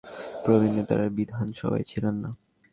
প্রবীণ নেতারা বিধানসভায় ছিলেন না।